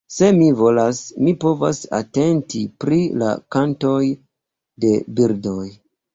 Se mi volas, mi povas atenti pri la kantoj de birdoj.